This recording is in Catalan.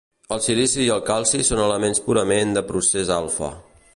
El silici i el calci són elements purament de procés alfa.